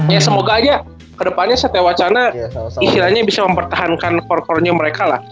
ya semoga aja kedepannya satya wacana istilahnya bisa mempertahankan core corenya mereka lah